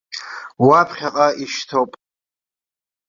Уаԥхьаҟа ишьҭоуп.